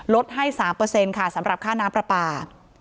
ลดให้สามเปอร์เซ็นต์ค่ะสำหรับค่าน้ำประปา